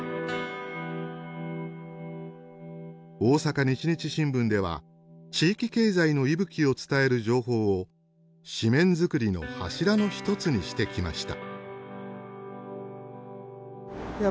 大阪日日新聞では地域経済の息吹を伝える情報を紙面作りの柱の一つにしてきました。